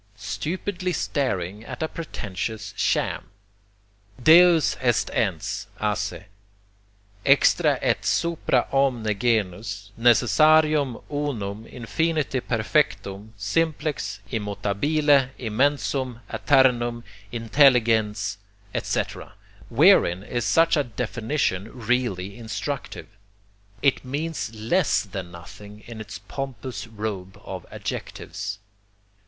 Stupidly staring at a pretentious sham! "Deus est Ens, a se, extra et supra omne genus, necessarium, unum, infinite perfectum, simplex, immutabile, immensum, aeternum, intelligens," etc., wherein is such a definition really instructive? It means less, than nothing, in its pompous robe of adjectives.